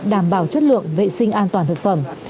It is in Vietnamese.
đảm bảo chất lượng vệ sinh an toàn thực phẩm